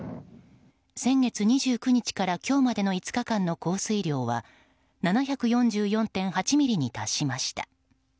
先月２９日から今日までの５日間の降水量は７４４．８ミリに達しました。